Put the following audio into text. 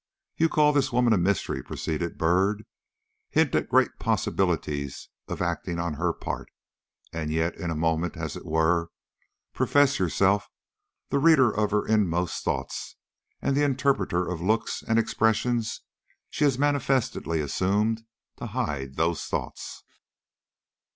"You call this woman a mystery," proceeded Byrd; "hint at great possibilities of acting on her part, and yet in a moment, as it were, profess yourself the reader of her inmost thoughts, and the interpreter of looks and expressions she has manifestly assumed to hide those thoughts."